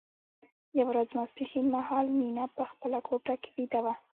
یوه ورځ ماسپښين مهال مينه په خپله کوټه کې ويده وه